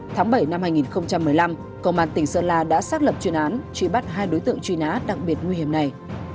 tháng bảy năm hai nghìn một mươi năm công an tỉnh sơn la đã xác lập chuyên án truy bắt hai đối tượng truy nã đặc biệt nguy hiểm này